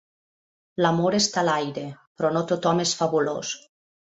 L'amor està a l'aire, però no tothom és fabulós.